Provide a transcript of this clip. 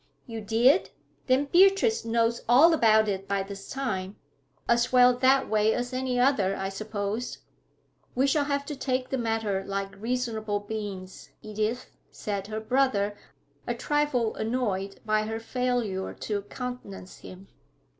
'You did? Then Beatrice knows all about it by this time. As well that way as any other, I suppose.' 'We shall have to take the matter like reasonable beings, Edith,' said her brother, a trifle annoyed by her failure to countenance him.